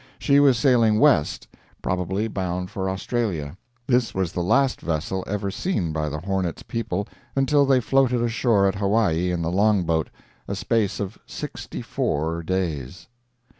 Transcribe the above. She was sailing west—probably bound for Australia. This was the last vessel ever seen by the Hornet's people until they floated ashore at Hawaii in the long boat—a space of sixty four days.